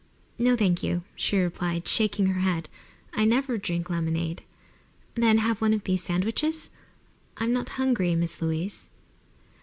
"No, thank you," she replied, shaking her head. "I never drink lemonade." "Then have one of these sandwiches?" "I'm not hungry, Miss Louise."